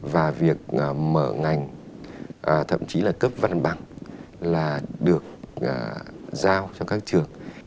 và việc mở ngành thậm chí là cấp văn bằng là được giao cho các trường